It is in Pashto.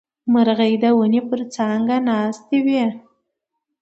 مرغۍ د ونې پر څانګه ناستې وې.